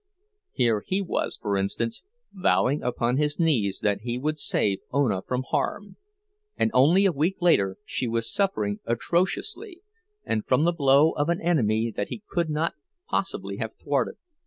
Here he was, for instance, vowing upon his knees that he would save Ona from harm, and only a week later she was suffering atrociously, and from the blow of an enemy that he could not possibly have thwarted.